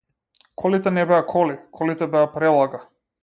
Колите не беа коли, колите беа прелага.